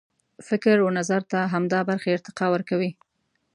فکر و نظر ته همدا برخې ارتقا ورکوي.